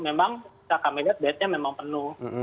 memang kami lihat bednya memang penuh